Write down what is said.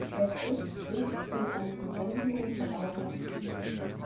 Der Fluss strebt in einen gewundenen Verlauf nach Süden.